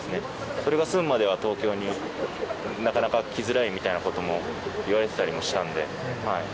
それが済むまでは東京になかなか来づらいみたいなことも言われてたりもしたんで。